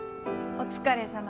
お疲れさま。